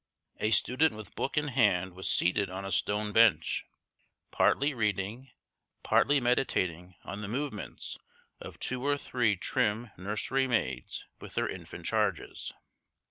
A student with book in hand was seated on a stone bench, partly reading, partly meditating on the movements of two or three trim nursery maids with their infant charges.